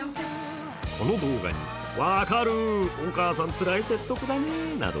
この動画に、分かる、お母さんつらい説得だねなど